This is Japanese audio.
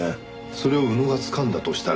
それを宇野がつかんだとしたら。